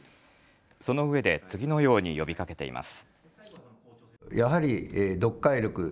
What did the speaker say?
そのうえで次のように呼びかけています。